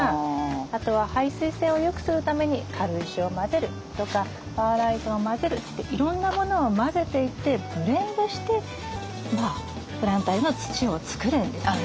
あとは排水性をよくするために軽石を混ぜるとかパーライトを混ぜるっていろんなものを混ぜていってブレンドしてプランター用の土を作るんですね。